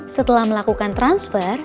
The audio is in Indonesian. setelah melakukan transfer